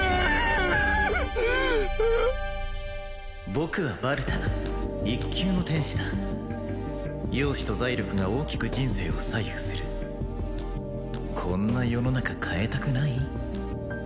僕はバルタ１級の天使だ容姿と財力が大きく人生を左右するこんな世の中変えたくない？